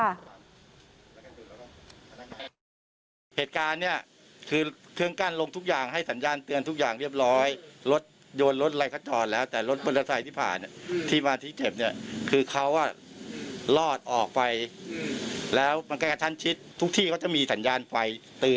อันตรายก็จะเร่งเครื่องผ่านไป